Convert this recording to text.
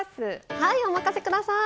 はいお任せ下さい！